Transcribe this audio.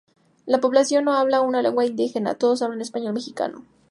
La población no habla una lengua indígena, todos hablan español mexicano.